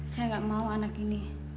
saya nggak mau anak ini